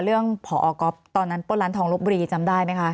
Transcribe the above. เรื่องพ่อออกรอบตอนนั้นป้นร้านทองลบบรีจำได้ไหมคะ